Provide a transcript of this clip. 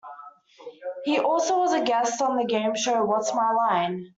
He also was a guest on the game show What's My Line?